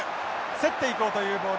競っていこうというボール。